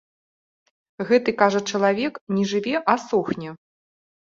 Гэты, кажа, чалавек не жыве, а сохне.